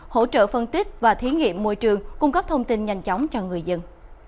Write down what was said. hỗ trợ phân tích và thí nghiệm môi trường cung cấp thông tin nhanh chóng cho người dân